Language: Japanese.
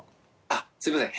あっすみません。